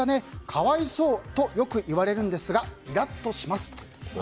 可哀想とよく言われるんですがイラッとします。